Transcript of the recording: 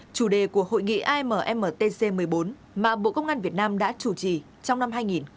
chủ đề của hội nghị ammtc một mươi bốn mà bộ công an việt nam đã chủ trì trong năm hai nghìn hai mươi